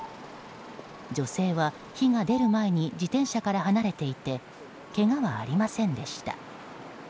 女性は、火が出る前に自転車から離れていてけがはありませんでした。